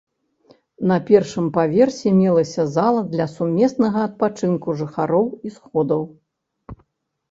На першым паверсе мелася зала для сумеснага адпачынку жыхароў і сходаў.